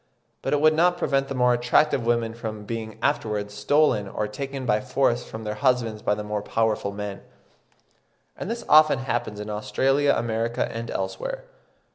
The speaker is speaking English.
But it would not prevent the more attractive women from being afterwards stolen or taken by force from their husbands by the more powerful men; and this often happens in Australia, America, and elsewhere.